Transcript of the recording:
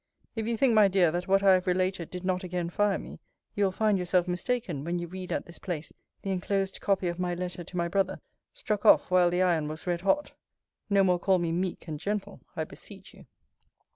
If you think, my dear, that what I have related did not again fire me, you will find yourself mistaken when you read at this place the enclosed copy of my letter to my brother; struck off while the iron was red hot. No more call me meek and gentle, I beseech you.